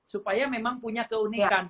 supaya memang punya keunikan